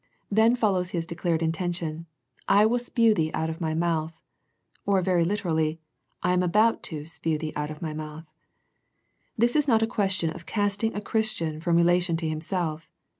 Then follows His declared intention, " I will spew thee out of My mouth," or very literally, " I am about to spew thee out of My mouth." This is not a question of casting a Christian from relation to Himself.